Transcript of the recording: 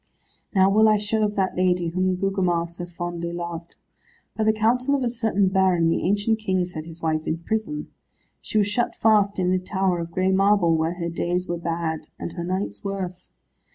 Now will I show of that lady, whom Gugemar so fondly loved. By the counsel of a certain baron the ancient King set his wife in prison. She was shut fast in a tower of grey marble, where her days were bad, and her nights worse.